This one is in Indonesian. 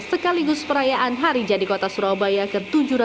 sekaligus perayaan hari jadi kota surabaya ke tujuh ratus dua puluh